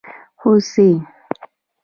🦌 هوسي